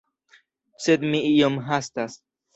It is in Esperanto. Sed mi iom hastas.